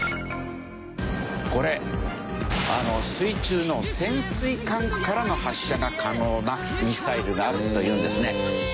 これ水中の潜水艦からの発射が可能なミサイルがあるというんですね。